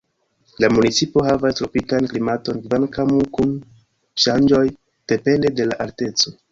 La municipo havas tropikan klimaton kvankam kun ŝanĝoj depende de la alteco.